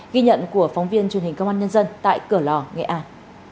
ghi nhận của phóng viên truyền hình công an nhân dân tại cửa lò nghệ an